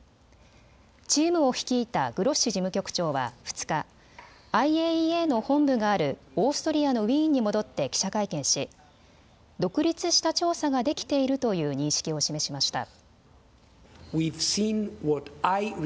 チームを率いたグロッシ事務局長は２日、ＩＡＥＡの本部があるオーストリアのウィーンに戻って記者会見し独立した調査ができているという認識を示しました。